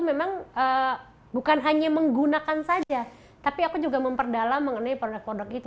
memang bukan hanya menggunakan saja tapi aku juga memperdalam mengenai produk produk itu